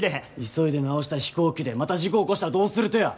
急いで直した飛行機でまた事故起こしたらどうするとや！